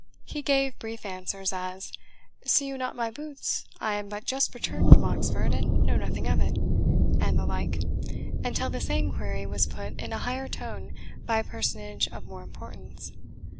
he gave brief answers, as, "See you not my boots? I am but just returned from Oxford, and know nothing of it," and the like, until the same query was put in a higher tone by a personage of more importance.